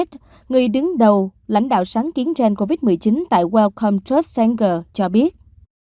tiến sĩ jeffrey barrett người đứng đầu lãnh đạo sáng kiến trên covid một mươi chín tại wellcome trust sanger cho biết